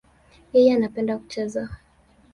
Yeye anapenda kucheza.